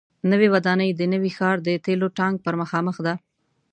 نوې ودانۍ د نوي ښار د تیلو ټانک پر مخامخ ده.